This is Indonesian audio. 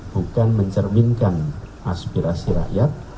bukan mencerminkan aspirasi rakyat